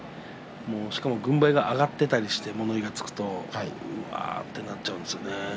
しこも軍配が上がっていたりして物言いがつくとうわあ、となっちゃうんですよね。